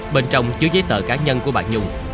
bên trong chứa giấy tờ cá nhân của bà nhung